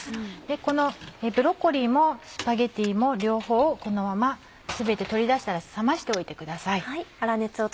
このブロッコリーもスパゲティも両方をこのまま全て取り出したら冷ましておいてください。